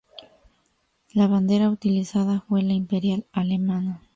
La bandera utilizada fue la imperial alemana.